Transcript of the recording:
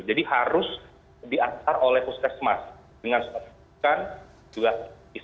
jadi harus diantar oleh puskesmas dengan sepatukan juga pcr